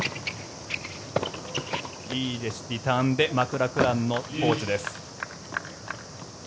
いいリターンでマクラクランのポーチです。